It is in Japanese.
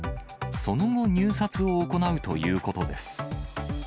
その後、入札を行うということです。